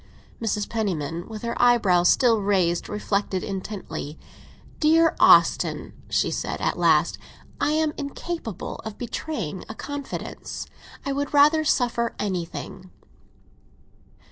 Mrs. Penniman, with her eyebrows still raised, reflected intently. "Dear Austin," she said at last, "I am incapable of betraying a confidence. I would rather suffer anything."